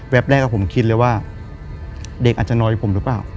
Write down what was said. แรกผมคิดเลยว่าเด็กอาจจะน้อยผมหรือเปล่า